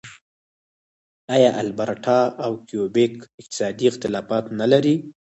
آیا البرټا او کیوبیک اقتصادي اختلافات نلري؟